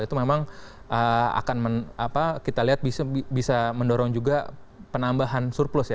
itu memang akan kita lihat bisa mendorong juga penambahan surplus ya